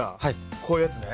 こういうやつね。